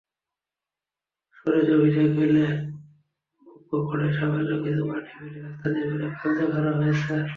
সরেজমিনে গেলে অংগ্যপাড়ায় সামান্য কিছু মাটি ফেলে রাস্তা নির্মাণের কাজ দেখানো হয়েছে।